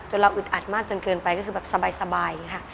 เราอึดอัดมากจนเกินไปก็คือแบบสบายอย่างนี้ค่ะ